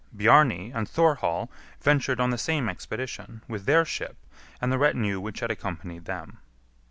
Bjarni and Thorhall ventured on the same expedition, with their ship and the retinue which had accompanied them.